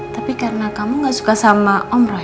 tapi karena kamu gak suka sama om ros